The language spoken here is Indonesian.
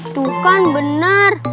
itu kan benar